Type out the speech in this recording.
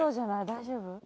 大丈夫？